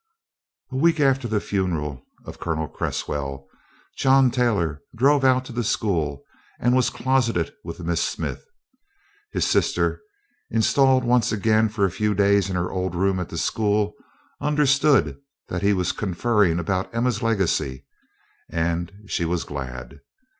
A week after the funeral of Colonel Cresswell, John Taylor drove out to the school and was closeted with Miss Smith. His sister, installed once again for a few days in her old room at the school, understood that he was conferring about Emma's legacy, and she was glad.